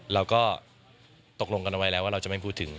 เราก็ตกลงกันเอาไว้แล้วว่าเราจะไม่พูดถึง